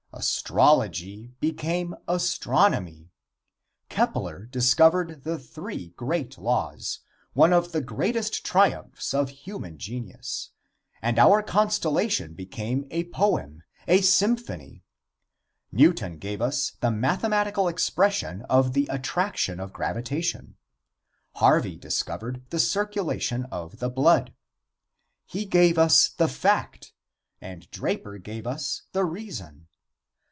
Astrology became astronomy. Kepler discovered the three great laws, one of the greatest triumphs of human genius, and our constellation became a poem, a symphony. Newton gave us the mathematical expression of the attraction of gravitation. Harvey discovered the circulation of the blood. He gave us the fact, and Draper gave us the reason.